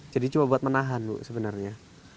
jadi coba buat menahan bu sebenarnya